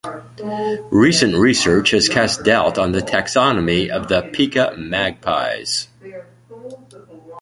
Recent research has cast doubt on the taxonomy of the "Pica" magpies.